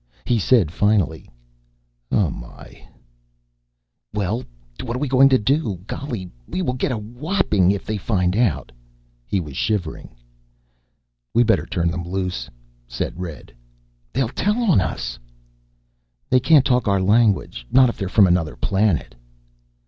He said, finally, "Oh, my." "Well, what are we going to do? Golly, will we get a whopping if they find out?" He was shivering. "We better turn them loose," said Red. "They'll tell on us." "They can't talk our language. Not if they're from another planet."